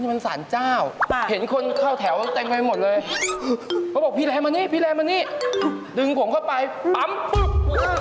นี่มันสารเจ้าพิแรมมานี่ดึงผมเข้าไปปั๊มปุ๊บ